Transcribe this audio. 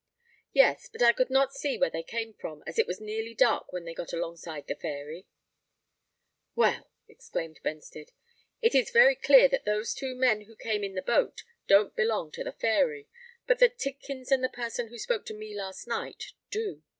"Yes. But I could not see where they came from, as it was nearly dark when they got alongside the Fairy." "Well," exclaimed Benstead, "it is very clear that those two men who came in the boat, don't belong to the Fairy; but that Tidkins and the person who spoke to me last night do.